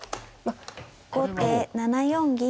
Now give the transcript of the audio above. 後手７四銀。